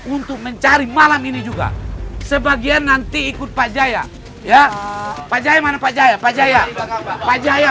untuk mencari malam ini juga sebagian nanti ikut pak jaya ya pak jaya mana pak jaya pak jaya pak jaya